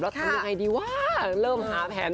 แล้วทำยังไงดีวะเริ่มหาแผน